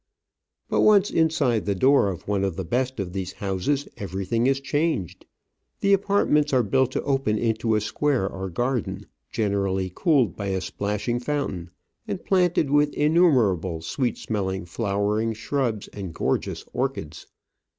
But once inside the door of one of the best of these houses everything is changed. The apartments are built to open into a square or garden, generally cooled by a splashing fountain, and planted with innumerable sweet smelling flowering shrubs and gorgeous orchids.